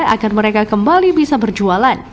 agar mereka kembali bisa berjualan